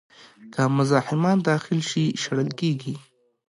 که مزاحمان داخل شي، شړل کېږي.